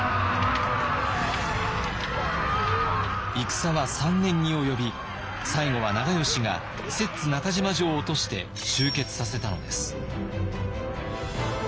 戦は３年に及び最後は長慶が摂津中島城を落として終結させたのです。